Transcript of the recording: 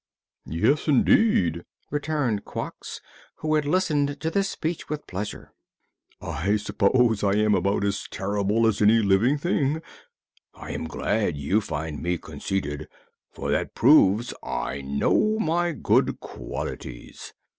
"Yes, indeed," returned Quox, who had listened to this speech with pleasure; "I suppose I am about as terrible as any living thing. I am glad you find me conceited, for that proves I know my good qualities.